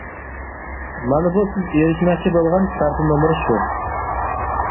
مانا بۇ سىز ئېرىشمەكچى بولغان كارتا نومۇرى شۇ.